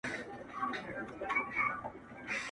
زمـا مــاسوم زړه~